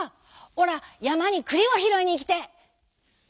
おらやまにくりをひろいにいきてえ」。